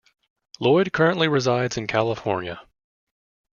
Lloyd currently resides in California.